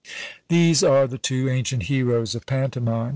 " These are the two ancient heroes of pantomime.